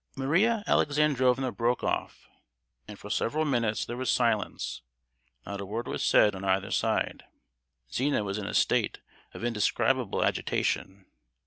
Maria Alexandrovna broke off, and for several minutes there was silence; not a word was said on either side: Zina was in a state of indescribable agitation.